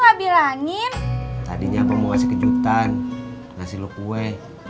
nggak bilangin tadinya mau ngasih kejutan ngasih lo kue